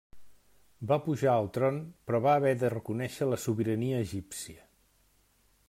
Va pujar al tron però va haver de reconèixer la sobirania egípcia.